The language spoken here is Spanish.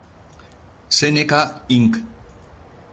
Seneca Inc.